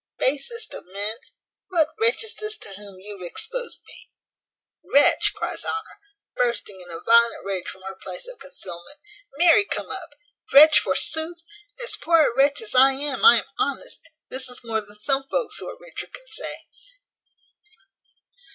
"Basest of men? What wretch is this to whom you have exposed me?" "Wretch!" cries Honour, bursting in a violent rage from her place of concealment "Marry come up! Wretch forsooth? as poor a wretch as I am, I am honest; this is more than some folks who are richer can say."